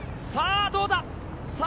さぁどうだ。